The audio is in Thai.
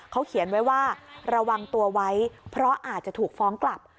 เขาเขียนไว้ว่าระวังตัวไว้เพราะอาจจะถูกฟ้องกลับ